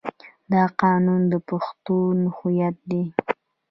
دا قانون د پښتنو هویت دی.